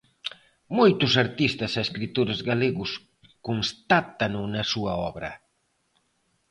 Moitos artistas e escritores galegos constátano na súa obra.